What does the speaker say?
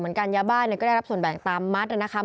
จากนั้นก็จะนำมาพักไว้ที่ห้องพลาสติกไปวางเอาไว้ตามจุดนัดต่าง